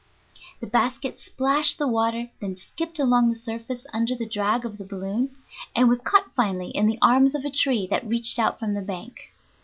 The basket splashed the water, then skipped along the surface under the drag of the balloon, and was caught finally in the arms of a tree that reached out from the bank.